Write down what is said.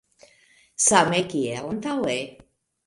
Same kiel antaŭe.